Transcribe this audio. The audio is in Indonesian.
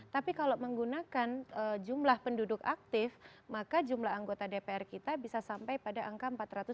tapi kalau menggunakan jumlah penduduk aktif maka jumlah anggota dpr kita bisa sampai pada angka empat ratus